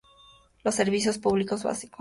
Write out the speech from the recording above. Los servicios públicos básicos.